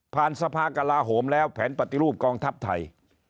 สภากลาโหมแล้วแผนปฏิรูปกองทัพไทย